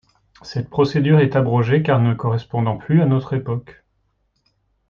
Cette procédure est abrogée car ne correspondant plus à notre époque.